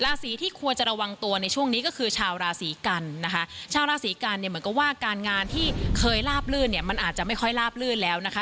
ราศีที่ควรจะระวังตัวในช่วงนี้ก็คือชาวราศีกันนะคะชาวราศีกันเนี่ยเหมือนกับว่าการงานที่เคยลาบลื่นเนี่ยมันอาจจะไม่ค่อยลาบลื่นแล้วนะคะ